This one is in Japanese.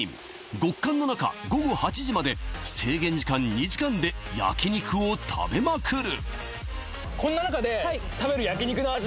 極寒の中午後８時まで制限時間２時間で焼肉を食べまくる